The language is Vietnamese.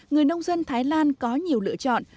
người nông dân thái lan có nhiều lựa chọn